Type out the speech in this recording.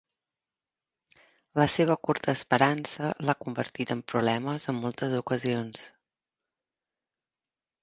La seva curta esperança l'ha convertit en problemes en moltes ocasions.